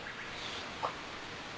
そっか。